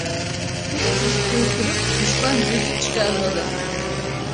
Fıs fıstığı kırıp düşman gözü çıkarmalı.